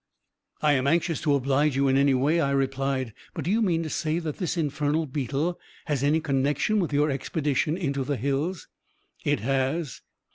"I am anxious to oblige you in any way," I replied; "but do you mean to say that this infernal beetle has any connection with your expedition into the hills?" "It has."